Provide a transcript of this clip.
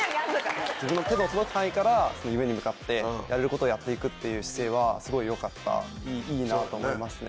自分の手の届く範囲から夢に向かってやれることをやっていくっていう姿勢はすごいよかったいいなと思いますね。